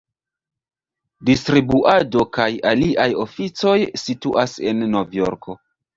Distribuado kaj aliaj oficoj situas en Novjorko.